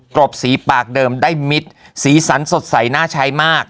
กรบสีปากเดิมได้มิดสีสันสดใสน่าใช้มาก